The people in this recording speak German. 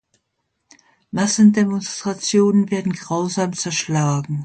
Massendemonstrationen werden grausam zerschlagen.